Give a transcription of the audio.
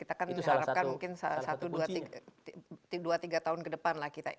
kita kan harapkan mungkin satu dua tiga tahun ke depan lah kita